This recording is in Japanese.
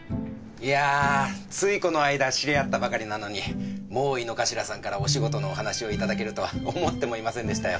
いやついこの間知り合ったばかりなのにもう井之頭さんからお仕事のお話をいただけるとは思ってもいませんでしたよ。